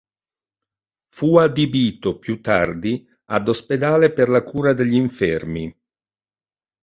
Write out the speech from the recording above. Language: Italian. Fu adibito più tardi ad ospedale per la cura degli infermi.